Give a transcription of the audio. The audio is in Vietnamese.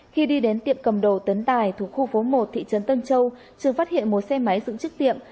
khi đi đến tiệm cầm đồ tấn tài thuộc khu phố một thị trấn tân châu trường phát hiện một xe máy dựng trước tiệm